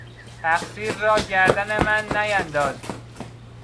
تقصیر را گردن من نینداز!